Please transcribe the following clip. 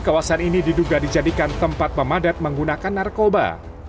kawasan ini diduga dijadikan tempat pemadat menggunakan narkoba